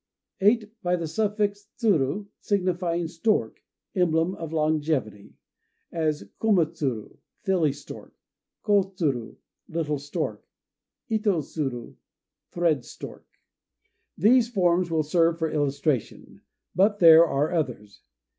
(8) By the suffix tsuru, signifying "stork" (emblem of longevity); as Koma tsuru, "Filly Stork"; Ko tsuru, "Little Stork"; Ito zuru, "Thread Stork". These forms will serve for illustration; but there are others.